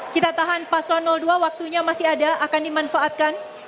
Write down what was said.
kita tahan paslon dua waktunya masih ada akan dimanfaatkan